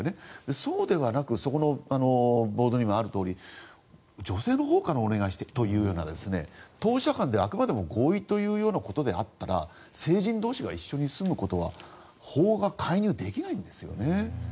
そうではなくそこのボードにもあるとおり女性のほうからお願いしているというような当事者間で、あくまでも合意というようなことであったら成人同士が一緒に住むことは法が介入はできないんですよね。